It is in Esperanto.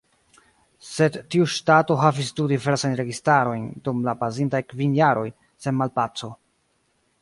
Sed tiu ŝtato havis du diversajn registarojn dum la pasintaj kvin jaroj, sen malpaco.